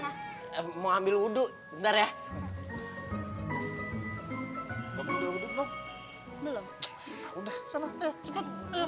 nah apalagi api neraka